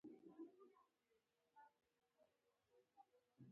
احمد دومره ګټي چې بېرته یې څټي.